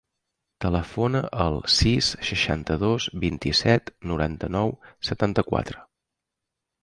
Telefona al sis, seixanta-dos, vint-i-set, noranta-nou, setanta-quatre.